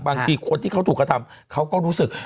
บางทีคนที่เขาถูกกระทำเขาก็รู้สึก